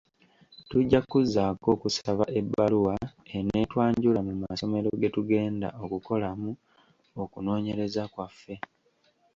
Tujja kuzzaako okusaba ebbaluwa eneetwanjula mu masomero ge tugenda okukolamu okunoonyereza kwaffe.